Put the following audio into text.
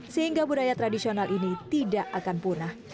sehingga budaya tradisional ini tidak akan punah